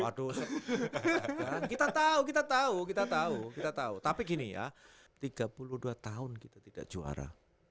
waduh kita tahu kita tahu kita tahu kita tahu tapi gini ya tiga puluh dua tahun kita tidak juara